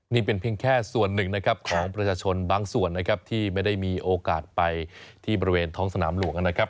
นี่เป็นเพียงแค่ส่วนหนึ่งนะครับของประชาชนบางส่วนนะครับที่ไม่ได้มีโอกาสไปที่บริเวณท้องสนามหลวงนะครับ